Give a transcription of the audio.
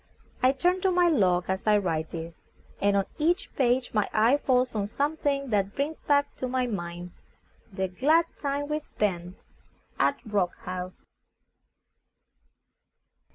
I turn to my log as I write this, and on each page my eye falls on some thing that brings back to my mind the glad time we spent at Rock House.